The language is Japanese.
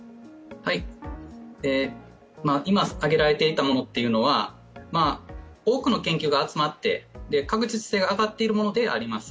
今挙げられていたものというのは多くの研究が集まって、確実性が上がっているものであります。